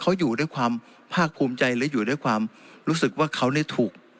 เขาอยู่ด้วยความภาคภูมิใจและอยู่ด้วยความรู้สึกว่าเขาเนี่ยถูก